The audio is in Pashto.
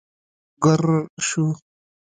ګررر شو.